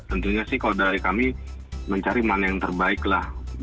tentunya sih kalau dari kami mencari mana yang terbaik lah